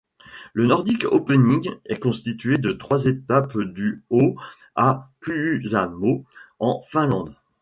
Le Nordic Opening est constitué de trois étapes du au à Kuusamo en Finlande.